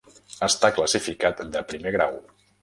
Està classificat de Primer Grau.